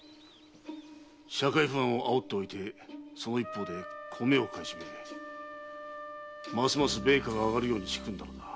社会不安を煽っておいてその一方で米を買い占めますます米価が上がるように仕組んだのか。